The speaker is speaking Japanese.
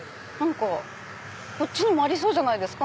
こっちにもありそうじゃないですか？